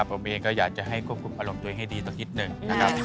ผมเองก็อยากจะให้ควบคุมอารมณ์ตัวเองให้ดีสักนิดหนึ่งนะครับ